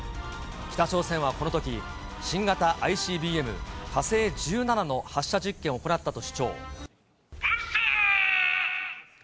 北朝鮮はこのとき、新型ＩＣＢＭ火星１７の発射実験を行ったと主張。